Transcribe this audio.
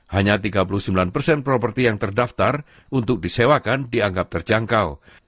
hanya tiga puluh sembilan properti yang terdaftar untuk disewakan dianggap terjangkau